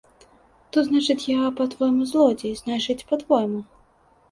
То, значыць, я, па-твойму, злодзей, значыць, па-твойму?